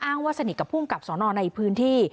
ว่าสนิทกับภูมิกับสนในพื้นที่